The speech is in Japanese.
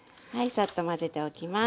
サッと混ぜておきます。